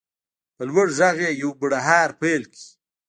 په لوړ غږ یې یو بړهار پیل کړ.